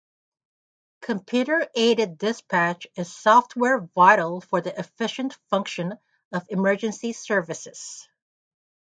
Computer Aided Dispatch is software vital for the efficient function of emergency services